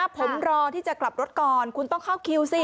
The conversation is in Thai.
ผมรอที่จะกลับรถก่อนคุณต้องเข้าคิวสิ